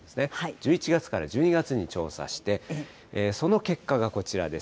１１月から１２月に調査して、その結果がこちらです。